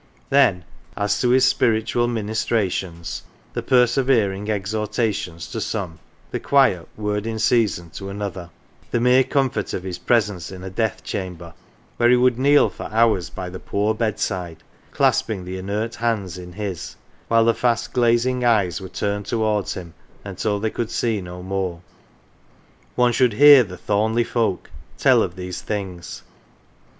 Then, as to his spiritual minis trations, the persevering exhortations to some, the quiet " word in season " to another, the mere comfort of his presence in a death chamber where he would kneel for hours by the poor bed side, clasping the inert hands in his, while the fast glazing eyes were turned towards him until they could see no more one should hear the Thornleigh folk tell of these things.